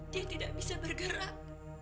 dia tidak bisa bergerak